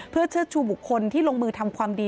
เพื่อเชิดชูบุคคลที่ลงมือทำความดี